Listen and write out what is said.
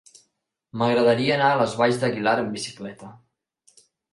M'agradaria anar a les Valls d'Aguilar amb bicicleta.